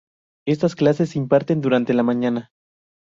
Estas clases se imparten durante la mañana.